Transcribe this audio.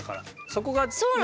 そこがね。